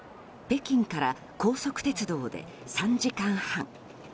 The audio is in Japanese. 北京から高速鉄道で３時間半。